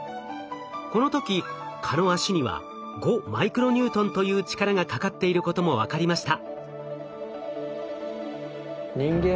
この時蚊の脚には５マイクロニュートンという力がかかっていることも分かりました。